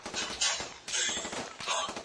زه به حتماً په یو ساعت کې هلته در ورسېږم.